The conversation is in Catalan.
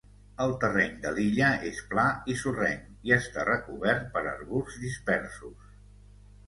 El terreny de l'illa és pla i sorrenc, i està recobert per arbusts dispersos.